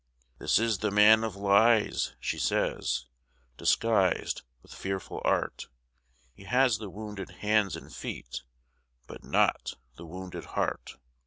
"This is the Man of Lies," she says, "Disguised with fearful art: He has the wounded hands and feet, But not the wounded heart."